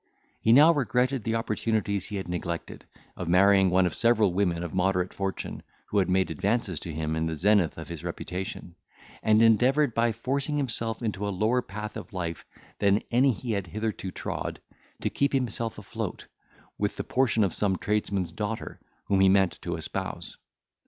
He now regretted the opportunities he had neglected, of marrying one of several women of moderate fortune, who had made advances to him in the zenith of his reputation; and endeavoured, by forcing himself into a lower path of life than any he had hitherto trod, to keep himself afloat, with the portion of some tradesman's daughter, whom he meant to espouse.